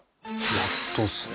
やっとっすね